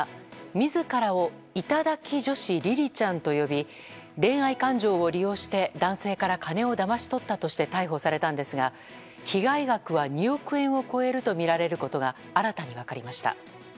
自らを頂き女子りりちゃんと呼び恋愛感情を利用して男性から金をだまし取ったとして逮捕されたんですが被害額は２億円を超えるとみられることが新たに分かりました。